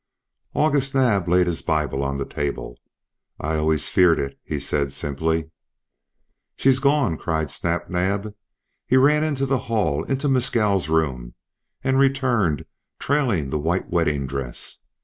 August Naab laid his Bible on the table. "I always feared it," he said simply. "She's gone!" cried Snap Naab. He ran into the hall, into Mescal's room, and returned trailing the white wedding dress.